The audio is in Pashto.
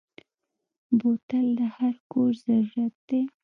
بوتل د هر کور ضرورت دی.